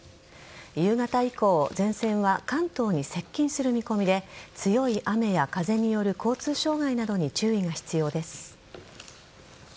夕方以降前線は関東に接近する見込みで強い雨や風による交通障害などに注意が必要です。